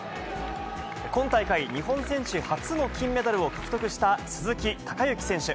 今大会、日本選手初の金メダルを獲得した、鈴木孝幸選手。